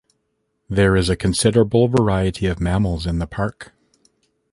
There is a considerable variety of mammals in the park.